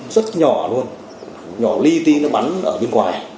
rất nhỏ luôn nhỏ ly ti nó bắn ở bên ngoài